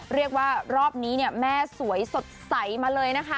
เรียกว่ารอบนี้เนี่ยแม่สวยสดใสมาเลยนะคะ